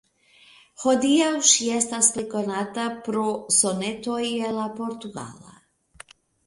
Hodiaŭ ŝi estas plej konata pro "Sonetoj el la Portugala".